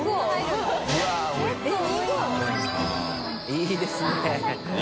いいですね